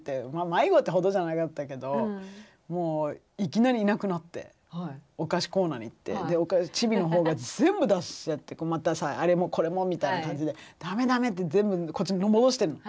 迷子ってほどじゃなかったけどもういきなりいなくなってお菓子コーナーに行ってお菓子ちびの方がぜんぶ出しちゃってあれもこれもみたいな感じで「ダメダメ」って全部こっちに戻してんの。